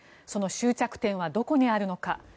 その終着点はどこにあるのか。